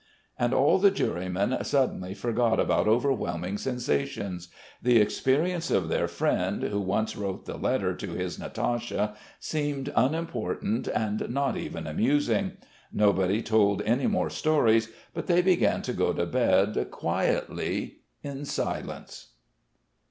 And all the jurymen suddenly forgot about overwhelming sensations. The experience of their friend, who once wrote the letter to his Natasha, seemed unimportant, and not even amusing. Nobody told any more stories; but they began to go to bed quietly, in silence.